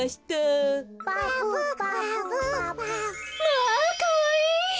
まあかわいい！